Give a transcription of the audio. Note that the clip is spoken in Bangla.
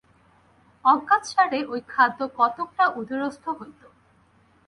অজ্ঞাতসারে ঐ খাদ্য কতকটা উদরস্থ হইত।